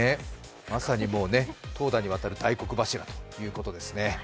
まさに投打にわたる大黒柱ということですね。